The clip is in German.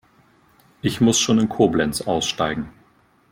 Ich muss schon in Koblenz aussteigen